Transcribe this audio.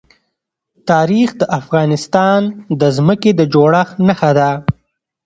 تاریخ د افغانستان د ځمکې د جوړښت نښه ده.